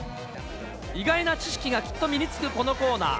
意外な知識がきっと身につくこのコーナー。